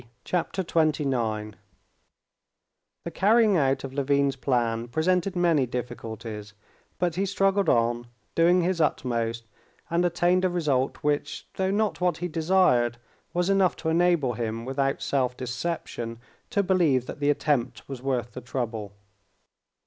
Chapter 29 The carrying out of Levin's plan presented many difficulties; but he struggled on, doing his utmost, and attained a result which, though not what he desired, was enough to enable him, without self deception, to believe that the attempt was worth the trouble.